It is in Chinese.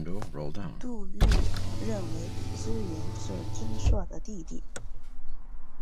杜预认为知盈是知朔的弟弟。